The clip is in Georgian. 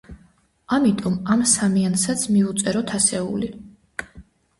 ამიტომ ამ სამიანსაც მივუწეროთ ასეული.